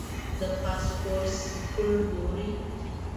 د باسفورس پل ګورې.